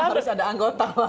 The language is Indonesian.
harus ada anggota